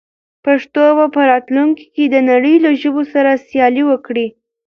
پښتو به په راتلونکي کې د نړۍ له ژبو سره سیالي وکړي.